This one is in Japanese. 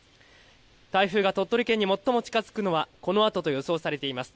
台風が鳥取県に最も近づくのはこのあとと予想されています。